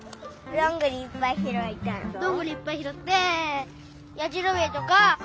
どんぐりいっぱいひろってやじろべえとかつくる。